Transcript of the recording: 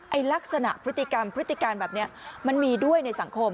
ลักษณะพฤติกรรมพฤติการแบบนี้มันมีด้วยในสังคม